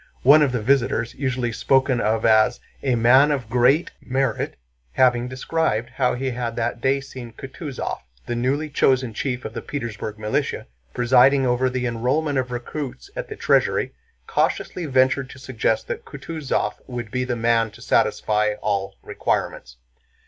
One of the visitors, usually spoken of as "a man of great merit," having described how he had that day seen Kutúzov, the newly chosen chief of the Petersburg militia, presiding over the enrollment of recruits at the Treasury, cautiously ventured to suggest that Kutúzov would be the man to satisfy all requirements.